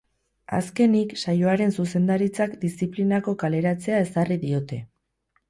Azkenik, saioaren zuzendaritzak diziplinako kaleratzea ezarri diote.